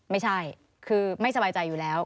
ไม่ใช่คือไม่สบายใจอยู่แล้ว